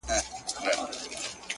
چي له دنیا نه ارمانجن راغلی یمه-